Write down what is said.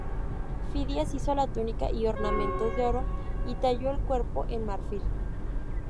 Fidias hizo la túnica y ornamentos de oro y talló el cuerpo en marfil.